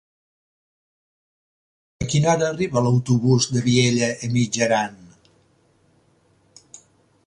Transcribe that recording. A quina hora arriba l'autobús de Vielha e Mijaran?